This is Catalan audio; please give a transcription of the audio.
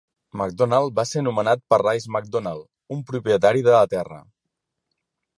McDonald va ser nomenat per Rice McDonald, un propietari de la terra.